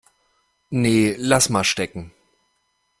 Nee, lass mal stecken.